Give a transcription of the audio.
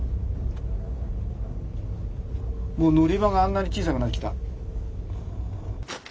もう乗り場があんなに小さくなってきた。